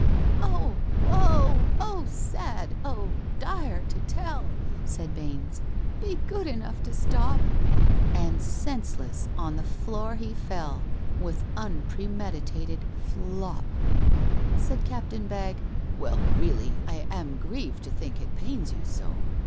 "Oh, woe! oh, sad! oh, dire to tell!" (Said BAINES). "Be good enough to stop." And senseless on the floor he fell, With unpremeditated flop! Said CAPTAIN BAGG, "Well, really I Am grieved to think it pains you so.